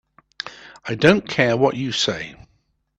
I don't care what you say.